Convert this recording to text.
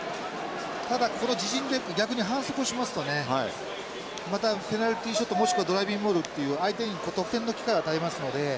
ただこの自陣で逆に反則をしますとねまたペナルティーショットもしくはドライビングモールっていう相手に得点の機会を与えますので。